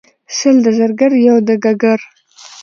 سل د زرګر یو دګګر.